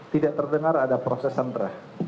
tidak terdengar ada proses sanderah